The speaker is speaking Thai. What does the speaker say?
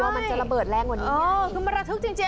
มันระเบิดแรงกว่านี้